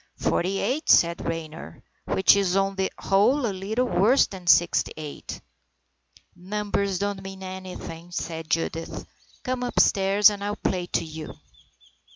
Forty eight," said Raynor, " which is on the whole a little worse than sixty eight." "Numbers don't mean anything," said Judith. " Come upstairs and I'll play to you."